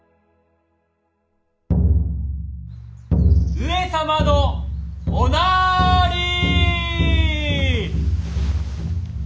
・上様のおなーりー。